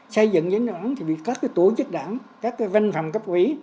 xây dựng chính đồng đảng thì các tổ chức đảng các văn phòng cấp ủy